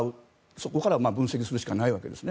そこから分析するしかないわけです。